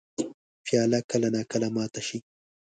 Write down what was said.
پیاله کله نا کله ماته شي.